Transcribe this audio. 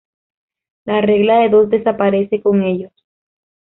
La regla de dos desaparece con ellos.